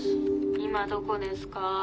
今どこですか？